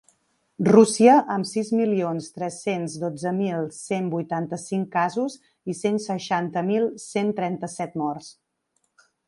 Rússia, amb sis milions tres-cents dotze mil cent vuitanta-cinc casos i cent seixanta mil cent trenta-set morts.